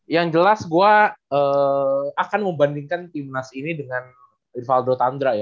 yang jelas gue akan membandingkan timnas ini dengan rivaldo tandra ya